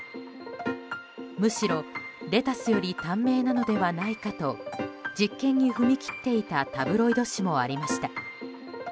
むしろレタスより短命なのではないかと実験に踏み切っていたタブロイド紙もありました。